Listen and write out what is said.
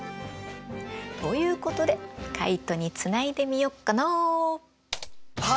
ということでカイトにつないでみよっかな。